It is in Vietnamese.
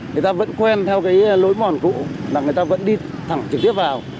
người ta vẫn quen theo cái lối mòn cũ là người ta vẫn đi thẳng trực tiếp vào